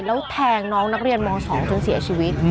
แล้วแทงน้องนักเรียนม๒จนเสียชีวิต